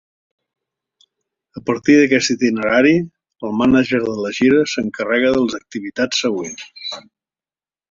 A partir d'aquest itinerari, el mànager de la gira s'encarrega de les activitats següents.